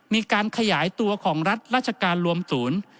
มีการขยายตัวของรัฐราชการรวมศูนย์